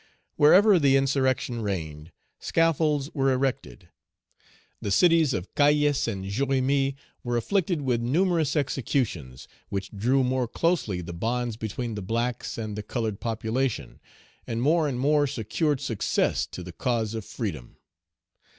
Wherever the insurrection reigned, scaffolds were erected. The cities of Cayes and Jérémie were afflicted with numerous executions, which drew more closely the bonds between the blacks and the colored population, and more and more secured success to the cause of freedom.